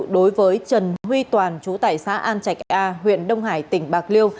đối với trần huy toàn chú tải xã an trạch a huyện đông hải tỉnh bạc liêu